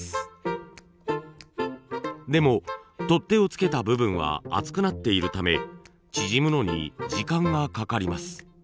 でも取っ手を付けた部分は厚くなっているため縮むのに時間がかかります。